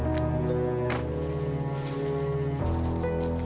aku sama itu di tinggal